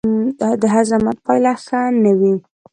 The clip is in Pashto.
د هر زحمت پايله ښه نه وي